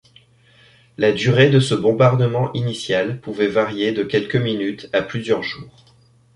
La durée de ce bombardement initial pouvait varier de quelques minutes à plusieurs jours.